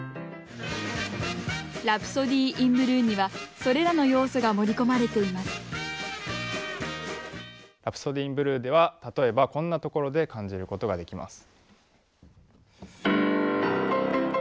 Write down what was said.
「ラプソディー・イン・ブルー」にはそれらの要素が盛り込まれています「ラプソディー・イン・ブルー」では例えばこんなところで感じることができます。